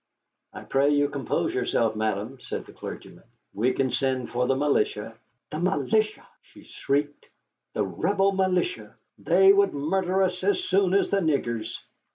"I pray you compose yourself, Madame," said the clergyman. "We can send for the militia." "The militia!" she shrieked; "the Rebel militia! They would murder us as soon as the niggers."